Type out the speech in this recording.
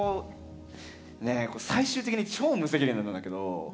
最終的に超無責任なんだけど。